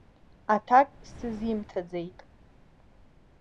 Аҭак сызимҭаӡеит.